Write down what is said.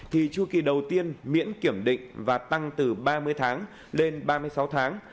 thì chu kỳ đầu tiên miễn kiểm định và tăng từ ba mươi tháng lên ba mươi sáu tháng